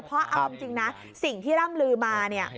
เพราะเอาจริงนะสิ่งที่ร่ำลือมาเนี่ย